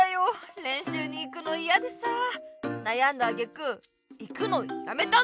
れんしゅうに行くのイヤでさあなやんだあげく行くのやめたんだ。